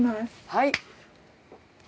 はい。